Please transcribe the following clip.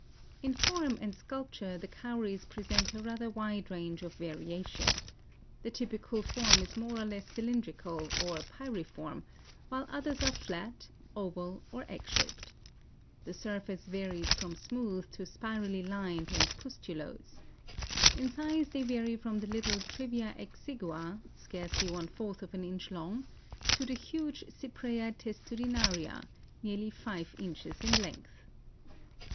In form and sculpture the Cowries present a rather wide range of variation. The typical form is more or less cylindrical, or pyriform, while others are flat, oval or egg shaped. The surface varies from smooth to spirally lined and pustulose. In size they vary from the little Trivia exigua, scarcely one fourth of an inch long, to the huge Cypraea testudinaria, nearly five inches in length.